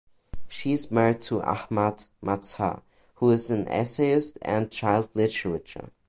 She is married to Ahmad Mazhar who is an essayist and child literature.